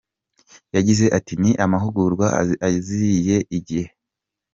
Yagize ati “Ni amahugurwa aziye igihe.